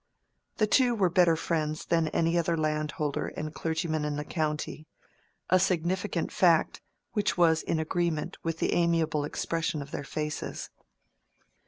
The two were better friends than any other landholder and clergyman in the county—a significant fact which was in agreement with the amiable expression of their faces.